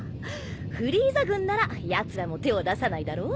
フリーザ軍ならやつらも手を出さないだろ？